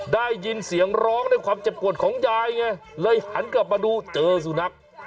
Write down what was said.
ได้ยินเสียงร้องด้วยความเจ็บปวดของยายไงเลยหันกลับมาดูเจอสุนัข